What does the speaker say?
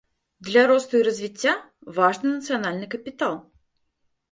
Для росту і развіцця важны нацыянальны капітал.